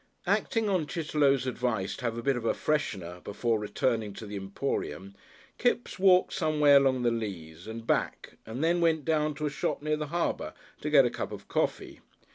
Acting on Chitterlow's advice to have a bit of a freshener before returning to the Emporium, Kipps walked some way along the Leas and back and then went down to a shop near the Harbour to get a cup of coffee.